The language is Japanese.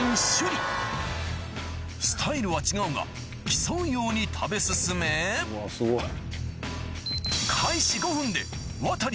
スタイルは違うが競うように食べ進め趣